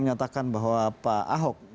menyatakan bahwa pak ahok